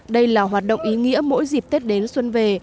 đây là hoạt động ý nghĩa mỗi dịp tết đến xuân về